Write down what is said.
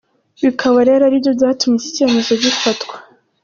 Bikaba rero aribyo byatumye iki cyemezo gifatwa.